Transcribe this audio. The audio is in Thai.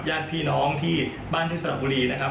ญาติพี่น้องที่บ้านที่สระบุรีนะครับ